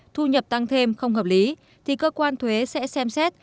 thu nhập tăng thêm không hợp lý thì cơ quan thuế sẽ xem xét